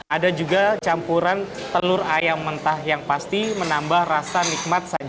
ada juga campuran telur ayam mentah yang pasti menambah rasa nikmat sajian